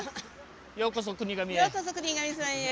ようこそ国頭へ。